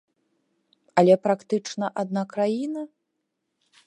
Але практычна адна краіна?